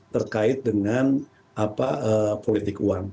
terkait dengan politik uang